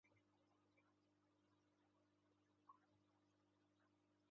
• Ko‘p o‘tin yoqqan, o‘rmonga ko‘p boradi.